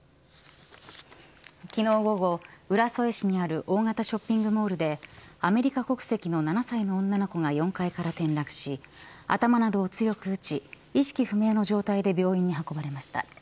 昨日午後、浦添市にある大型ショッピングモールでアメリカ国籍の７歳の女の子が４階から転落し頭などを強く打ち意識不明の状態で病院に運ばれました。